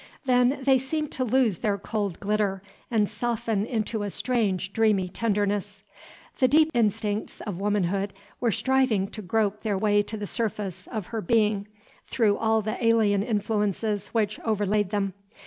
Then they seemed to lose their cold glitter, and soften into a strange, dreamy tenderness. The deep instincts of womanhood were striving to grope their way to the surface of her being through all the alien influences which overlaid them.